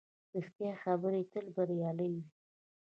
ریښتیا خبرې تل بریالۍ وي